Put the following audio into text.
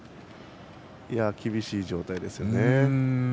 厳しい状態ですよね。